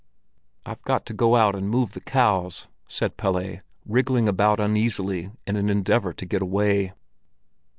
"I've got to go out and move the cows," said Pelle, wriggling about uneasily in an endeavor to get away.